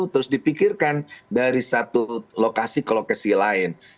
terus dipikirkan dari satu lokasi ke lokasi lain